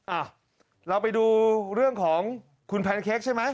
อ้าวเราไปดูเรื่องของคุณแพนเค้กใช่ไหม